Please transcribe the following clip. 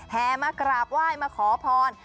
มากราบไหว้มาขอพร